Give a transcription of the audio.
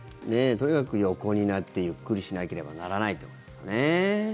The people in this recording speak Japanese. とにかく横になってゆっくりしなければならないということですかね。